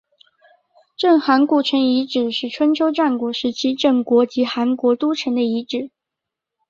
郑韩故城遗址是春秋战国时期郑国及韩国都城的遗址。